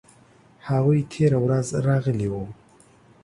هغوی تیره ورځ راغلي وو